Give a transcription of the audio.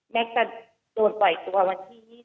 แก๊กจะโดนปล่อยตัววันที่๒๒